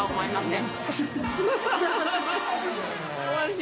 ん？